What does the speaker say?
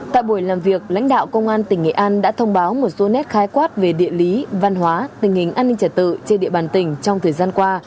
tại buổi làm việc lãnh đạo công an tỉnh nghệ an đã thông báo một số nét khái quát về địa lý văn hóa tình hình an ninh trả tự trên địa bàn tỉnh trong thời gian qua